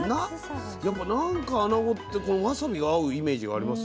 やっぱなんかあなごってこのわさびが合うイメージがありますね。